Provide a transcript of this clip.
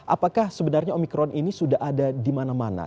apakah sebenarnya omikron ini sudah ada dimana mana